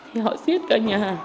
thì họ xuyết cả nhà